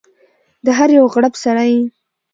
د هر یو غړپ سره یې